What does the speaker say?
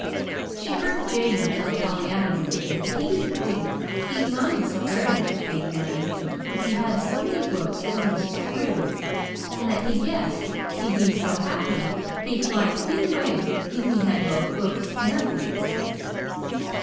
(She heard Jamie tell Pollyanna one day that he didn't think he'd mind so very much being lame if he had so many books as Mrs. Carew, and that he guessed he'd be so happy he'd fly clean away if he had both books and legs.)